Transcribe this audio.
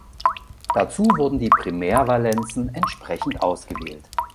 Dazu wurden die Primärvalenzen entsprechend ausgewählt.